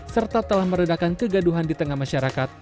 serta telah meredakan kegaduhan di tengah masyarakat